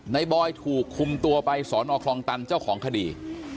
บอยถูกคุมตัวไปสอนอคลองตันเจ้าของคดี